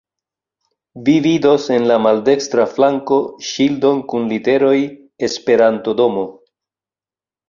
Vi vidos en la maldekstra flanko ŝildon kun literoj "Esperanto-Domo".